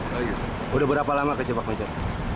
sudah berapa lama kejebak macet